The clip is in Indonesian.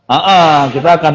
iya kita akan